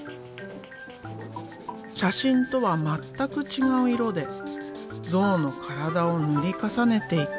写真とは全く違う色でゾウの体を塗り重ねていく。